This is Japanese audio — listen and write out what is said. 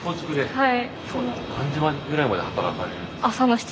はい。